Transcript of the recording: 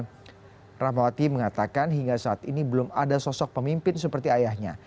dan rahmawati mengatakan hingga saat ini belum ada sosok pemimpin seperti ayahnya